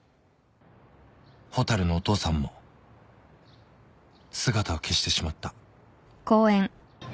［蛍のお父さんも姿を消してしまった］